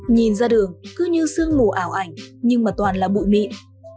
nhìn ra đường cứ như sương mù ảo ảnh nhưng mà toàn là bụi mịn